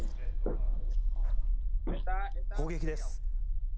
砲撃です。